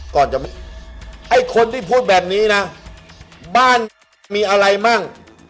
ไอ้คนที่พูดแบบนี้นะบ้านมีอะไรมั่ง